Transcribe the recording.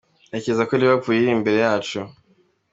"Ntekereza ko Liverpool iri imbere yacu.